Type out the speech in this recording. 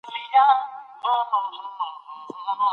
موږ په کمپیوټر کې لیکنه وکړه.